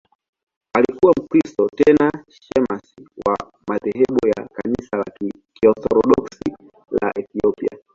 Alikuwa Mkristo, tena shemasi wa madhehebu ya Kanisa la Kiorthodoksi la Ethiopia.